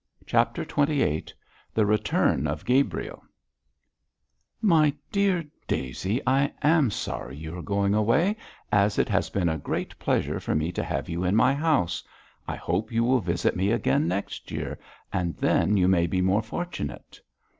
CHAPTER XXVIII THE RETURN OF GABRIEL 'My dear Daisy, I am sorry you are going away, as it has been a great pleasure for me to have you in my house. I hope you will visit me again next year, and then you may be more fortunate.'